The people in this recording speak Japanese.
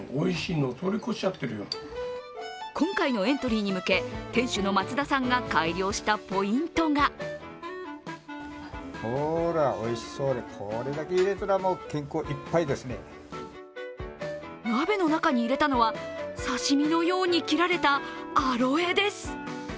今回のエントリーに向け店主の松田さんが改良したポイントが鍋の中に入れたのは、刺身のように切られたアロエです。